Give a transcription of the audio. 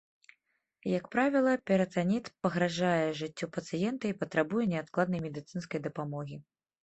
Як правіла, перытаніт пагражае жыццю пацыента і патрабуе неадкладнай медыцынскай дапамогі.